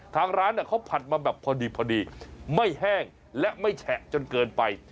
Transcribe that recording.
ทางร้านเขาผัดมาแบบพอดีพอดีไม่แห้งและไม่แฉะจนเกินไป